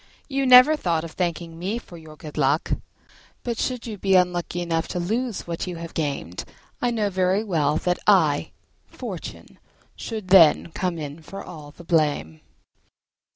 You never thought of thanking me for your good luck; but should you be unlucky enough to lose what you have gained I know very well that I, Fortune, should then come in for all the blame."